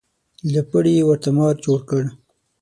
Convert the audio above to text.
له پړي یې ورته مار جوړ کړ.